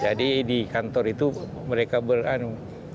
jadi di kantor itu mereka beranu